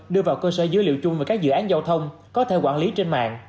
đưa vào cơ sở dữ liệu chung về các dự án giao thông có thể quản lý trên mạng